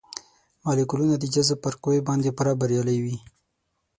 مالیکولونه د جذب پر قوې باندې پوره بریالي وي.